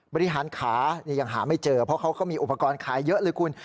บริหารขานี่ยังหาไม่เจอเพราะเขาก็มีอุปกรณ์ขายเยอะเลยคุณ